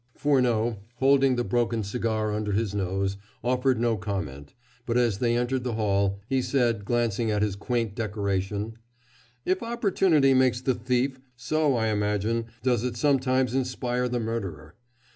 Furneaux, holding the broken cigar under his nose, offered no comment, but, as they entered the hall, he said, glancing at its quaint decoration: "If opportunity makes the thief, so, I imagine, does it sometimes inspire the murderer.